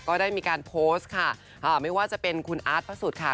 ก็ได้มีการโพสต์ค่ะไม่ว่าจะเป็นคุณอาร์ตพระสุทธิ์ค่ะ